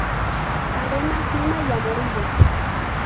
Arena: fina y amarilla.